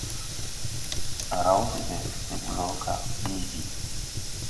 Á raw de ɓɛ se blɔɔ kag ɗiigi.